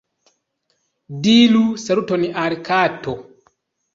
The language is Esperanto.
Diru saluton al kato.